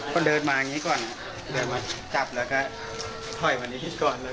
ก็เดินมาอย่างนี้ก่อนเดินมาจับแล้วก็ถอยมานิดก่อนเลย